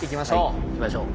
行きましょう。